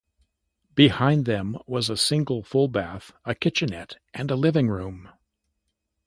Behind them was a single full bath, a kitchenette, and a living room.